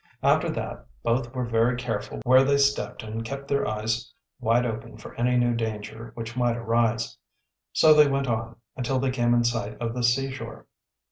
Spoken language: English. After that both were very careful where they stepped and kept their eyes wide open for any new danger which might arise. So they went on until they came in sight of the seashore.